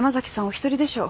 お一人でしょ。